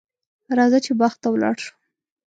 راځه چې باغ ته ولاړ شو.